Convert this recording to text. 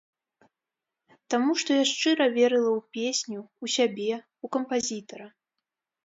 Таму што я шчыра верыла ў песню, у сябе, у кампазітара.